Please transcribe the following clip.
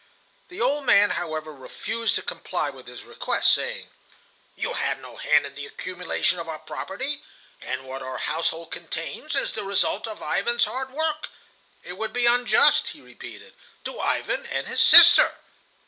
The old man, however, refused to comply with his request, saying: "You had no hand in the accumulation of our property, and what our household contains is the result of Ivan's hard work. It would be unjust," he repeated, "to Ivan and his sister."